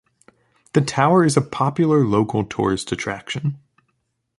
The tower is a popular local tourist attraction.